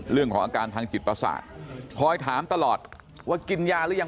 เรื่องของอาการทางจิตประสาทคอยถามตลอดว่ากินยาหรือยัง